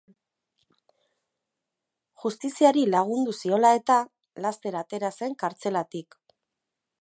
Justiziari lagundu ziola eta, laster atera zen kartzelatik.